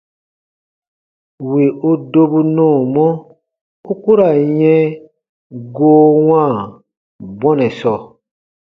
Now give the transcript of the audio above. Wì u dobu nɔɔmɔ, u ku ra n yɛ̃ goo wãa bɔnɛ sɔɔ.